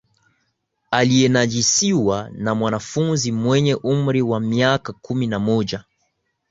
alienajisiwa ni mwanafunzi mwenye umri wa miaka kumi na moja